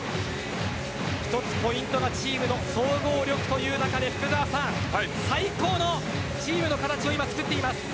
一つポイントがチームの総合力という中で福澤さん、最高のチームの形を今、つくっています。